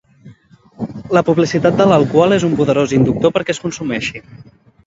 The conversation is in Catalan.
La publicitat de l'alcohol és un poderós inductor perquè es consumeixi.